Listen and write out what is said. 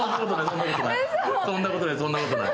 そんなことない、そんなことない。